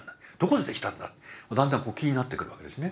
だんだんこう気になってくるわけですね。